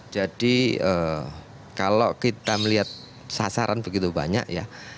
jadi kalau kita melihat sasaran begitu banyak ya